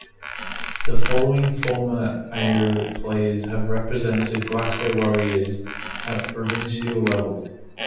The following former Ayr players have represented Glasgow Warriors at provincial level.